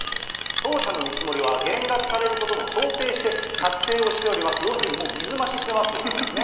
当社の見積もりは減額されることも想定して、作成をしております、要するにもう水増ししてますよということですね。